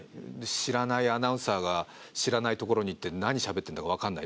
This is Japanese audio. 知らないアナウンサーが知らない所に行って何しゃべってんだか分かんない。